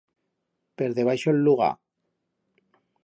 Per debaixo el lugar.